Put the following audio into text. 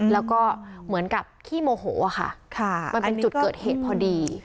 แล้วก็เหมือนกับขี้โมโหค่ะมันเป็นจุดเกิดเหตุพอดี